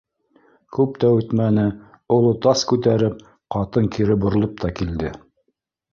Күп тә үтмәне, оло тас күтәреп, ҡатын кире боролоп та килде